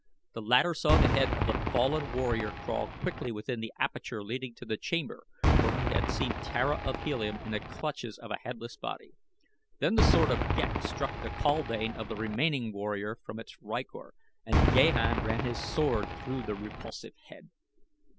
The latter saw the head of the fallen warrior crawl quickly within the aperture leading to the chamber where he had seen Tara of Helium in the clutches of a headless body. Then the sword of Ghek struck the kaldane of the remaining warrior from its rykor and Gahan ran his sword through the repulsive head.